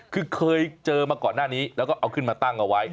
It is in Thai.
คือเคยเจอมาก่อนหน้านี้แล้วก็เอาขึ้นมาตั้งเอาไว้